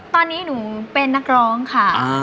ตอนนี้หนูเป็นนักร้องค่ะ